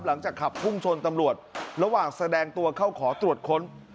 หลังจากขับพุ่งชนตำรวจระหว่างแสดงตัวเข้าขอตรวจค้น